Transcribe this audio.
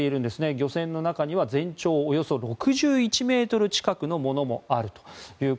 漁船の中には全長およそ６１ｍ近くのものもあると。